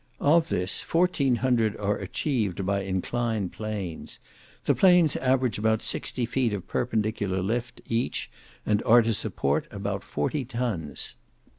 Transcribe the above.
Of this, fourteen hundred are achieved by inclined planes. The planes average about sixty feet of perpendicular lift each, and are to support about forty tons.